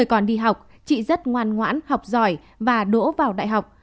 còn đi học chị rất ngoan ngoãn học giỏi và đỗ vào đại học